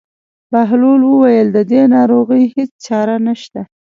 بهلول وویل: د دې ناروغۍ هېڅ چاره نشته.